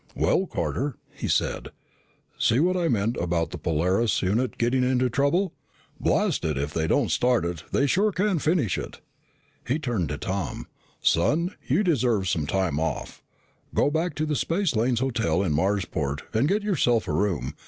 "Well, Carter," he said, "see what I meant about the Polaris unit getting into trouble! Blast it, if they don't start it, they sure can finish it." He turned to Tom. "Son, you deserve some time off. Go back to the Spacelanes Hotel in Marsport and get yourself a room.